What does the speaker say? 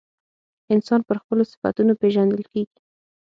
انسان پر خپلو صفتونو پیژندل کیږي.